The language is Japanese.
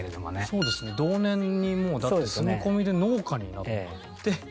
そうですね同年にもうだって住み込みで農家になって。